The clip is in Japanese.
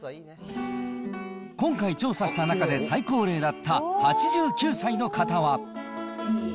今回調査した中で最高齢だった８９歳の方は。